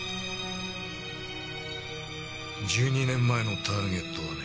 １２年前のターゲットはね